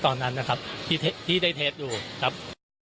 ตอนนั้นนะครับที่ได้เทปอยู่ครับ